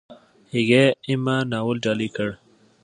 هغې "اِما" ناول ډالۍ کړ.